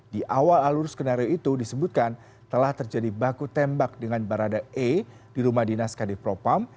di awal alur skenario itu disebutkan telah terjadi baku tembak dengan barada e di rumah dinas kadipropam